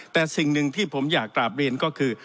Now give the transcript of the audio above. แต่สิ่งหนึ่งที่ผมอยากกราบเรียนก็คือ